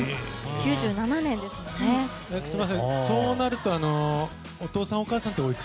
９７年ですもんね。